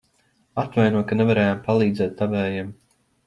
Atvaino, ka nevarējām palīdzēt tavējiem.